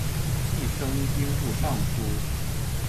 继升兵部尚书。